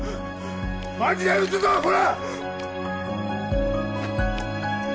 マジで撃つぞこら！